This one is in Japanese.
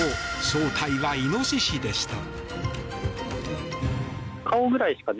正体はイノシシでした。